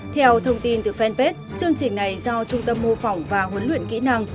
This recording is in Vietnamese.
theo thông tin từ fanpage chương trình này do trung tâm mô phỏng và huấn luyện kỹ năng